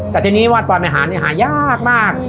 แต่ทีนี้วาดตอนไปหานี่หายากมาก